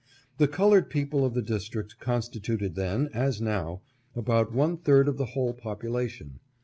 The colored people of the district constituted then, as now, about one third of the whole population.